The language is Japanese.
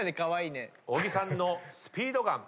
小木さんのスピードガン。